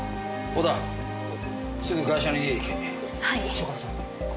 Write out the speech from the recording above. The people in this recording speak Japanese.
所轄さん。